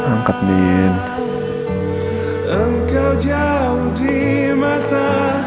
aku terpaku aku meminta